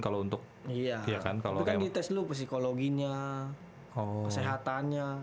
iya kan di tes lu psikologinya kesehatannya